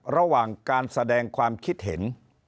ระหว่างการแสดงความคิดเห็น